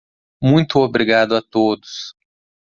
Muito obrigado a todos.